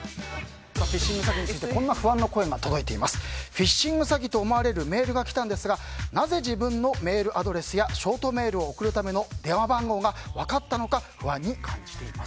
フィッシング詐欺と思われるメールが来たんですがなぜ自分のメールアドレスやショートメールを送るための電話番号が分かったのか不安に感じています。